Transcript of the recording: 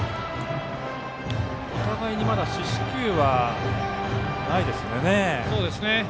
お互いに四死球はないです。